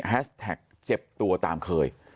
แท็กเจ็บตัวตามเคย